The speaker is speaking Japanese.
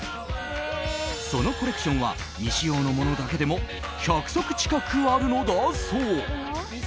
そのコレクションは未使用のものだけでも１００足近くあるのだそう。